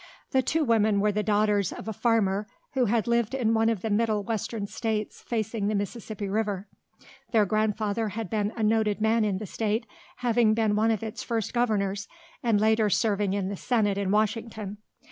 The two women were the daughters of a farmer who had lived in one of the middle western states facing the Mississippi River. Their grandfather had been a noted man in the state, having been one of its first governors and later serving it in the senate in Washington.